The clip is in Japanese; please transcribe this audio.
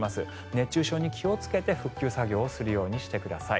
熱中症に気をつけて復旧作業をするようにしてください。